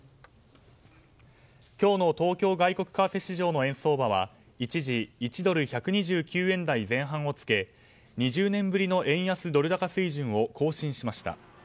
今日の東京外国為替市場の円相場は一時１ドル＝１２９円台前半をつけ２０年ぶりの円安ドル高水準を更新しました。